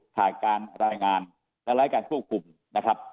ขาดการรายงานและรายการควบคุมนะครับ